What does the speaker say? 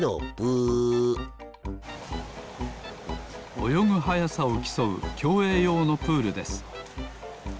およぐはやさをきそうきょうえいようのプールです。